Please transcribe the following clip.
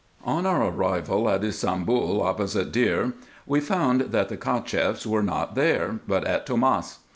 On our arrival at Ybsambul, opposite Deir, we found that the Cacheffs were not there, but at Tomas.